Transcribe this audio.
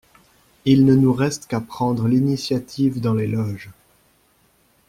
Il ne nous reste qu'à prendre l'initiative dans les Loges.